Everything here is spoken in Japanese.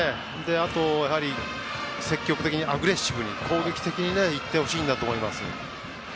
あとは積極的に、アグレッシブに攻撃的にいってほしいんだと思います。